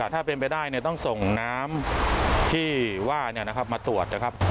ถ้าเป็นไปได้ต้องส่งน้ำที่ว่ามาตรวจนะครับ